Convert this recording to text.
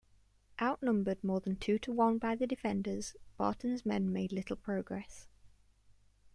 Outnumbered more than two-to-one by the defenders, Barton's men made little progress.